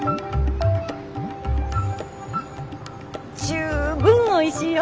十分おいしいよ。